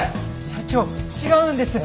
社長違うんです！